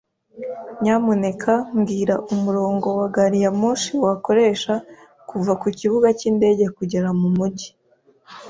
Nyamuneka mbwira umurongo wa gari ya moshi wakoresha kuva ku kibuga cyindege kugera mu mujyi.